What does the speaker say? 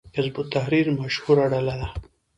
حزب التحریر مشهوره ډله ده